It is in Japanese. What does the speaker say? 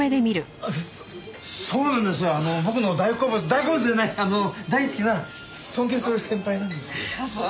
あの大好きな尊敬する先輩なんですよ。